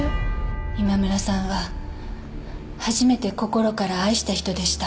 今村さんは初めて心から愛した人でした。